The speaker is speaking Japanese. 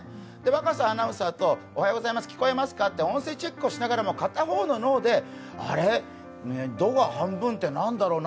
若狭アナウンサーとおはようございます、聞こえますかと音声チェックをしながら片方の脳で、あれ、ドが半分って何だろう？